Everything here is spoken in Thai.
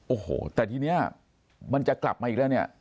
โอ้โหแต่ทีนี้มันจะกลับมาอีกแล้วเนี่ย